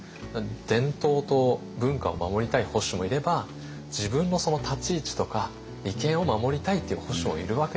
伝統と文化を守りたい保守もいれば自分の立ち位置とか利権を守りたいっていう保守もいるわけですよ。